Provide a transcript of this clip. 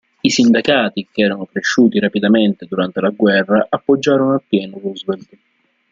I sindacati, che erano cresciuti rapidamente durante la guerra, appoggiarono appieno Roosevelt.